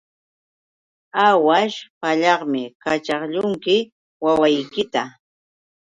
Aawaśh pallaqmi kaćhaqlunki wawqiykita.